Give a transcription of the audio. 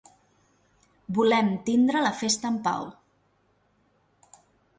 Volem tindre la festa en pau.